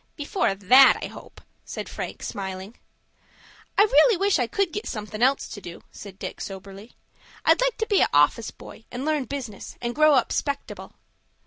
"Before that, I hope," said Frank, smiling. "I really wish I could get somethin' else to do," said Dick, soberly. "I'd like to be a office boy, and learn business, and grow up 'spectable."